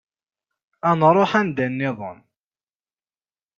Ad nruḥ anda-nniḍen.